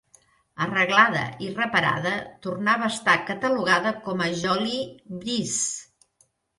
Arreglada i reparada, tornava a estar catalogada com a "Jolie Brise".